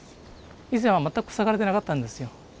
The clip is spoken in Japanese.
以前は全く塞がれてなかったんですよ。